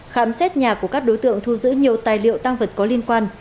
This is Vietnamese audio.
khám xét nhà của các đối tượng thu giữ nhiều tài liệu tăng vật có liên quan